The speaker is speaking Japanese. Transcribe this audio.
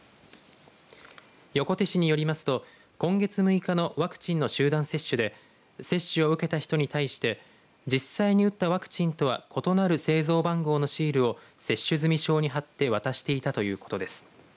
横手市によりますと今月６日のワクチンの集団接種で接種を受けた人に対して実際に打ったワクチンとは異なる製造番号のシールを接種済証に貼って渡していたということです。